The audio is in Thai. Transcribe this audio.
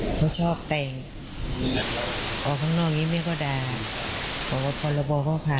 และประชาชนกระจกิจยังไงกับคุณในการกระทำงานของคุณ